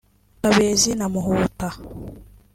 Kabezi na Muhuta